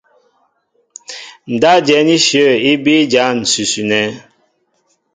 Ndáp jɛ̌n íshyə̂ í bíí ján ǹsʉsʉ nɛ́.